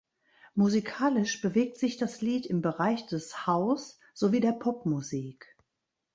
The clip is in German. Musikalisch bewegt sich das Lied im Bereich des House sowie der Popmusik.